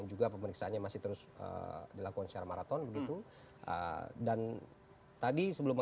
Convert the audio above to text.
juga pemeriksaannya masih terus dilakukan secara maraton begitu dan tadi sebelum